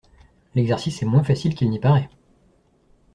L’exercice est moins facile qu’il n’y paraît.